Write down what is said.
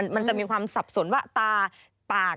มันจะมีความสับสนว่าตาปาก